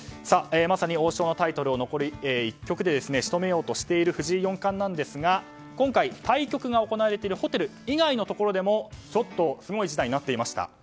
まさに王将のタイトルを残り１局で仕留めようとしている藤井四冠ですが今回、対局が行われているホテル以外のところでもちょっとすごい事態になっていました。